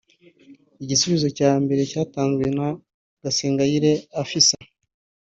Igisubizo cya mbere cyatanzwe na Gasengayire Afissa